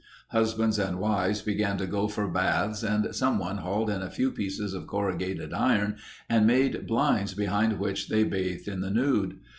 Husbands and wives began to go for baths and someone hauled in a few pieces of corrugated iron and made blinds behind which they bathed in the nude.